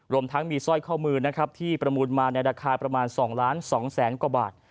รวมทั้งมีสร้อยข้อมือนะครับที่ประมูลมาในราคาประมาณ๒๒๐๐๐กว่าบาท